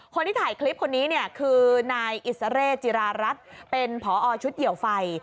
คนที่ถ่ายคลิปคนนี้เนี่ยคือนายอิสเร่จิรารัฐเป็นผอชุดเหี่ยวไฟ